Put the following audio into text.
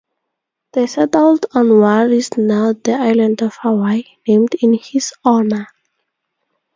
They settled on what is now the Island of Hawaii, named in his honor.